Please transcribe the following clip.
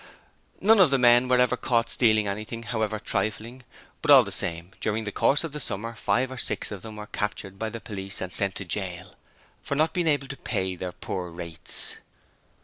None of the men were ever caught stealing anything, however trifling, but all the same during the course of the summer five or six of them were captured by the police and sent to jail for not being able to pay their poor rates.